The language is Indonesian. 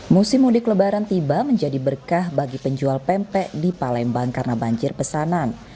musim mudik lebaran tiba menjadi berkah bagi penjual pempek di palembang karena banjir pesanan